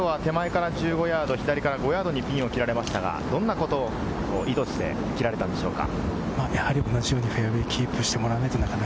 きょうは手前から１５ヤード左から５ヤードのピンを切られましたが、どんなことを意図して切られたんでしょうか？